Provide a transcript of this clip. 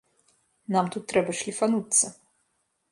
Нам тут трэба шліфануцца.